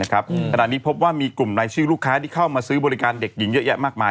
ขณะนี้พบว่ามีกลุ่มรายชื่อลูกค้าที่เข้ามาซื้อบริการเด็กหญิงเยอะแยะมากมาย